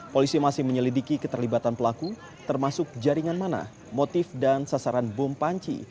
polisi masih menyelidiki keterlibatan pelaku termasuk jaringan mana motif dan sasaran bom panci